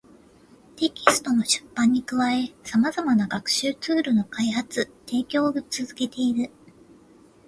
テキストの出版に加え、様々な学習ツールの開発・提供を続けている